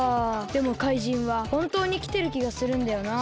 でも怪人はほんとうにきてるきがするんだよなあ。